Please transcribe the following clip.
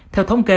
theo thống kê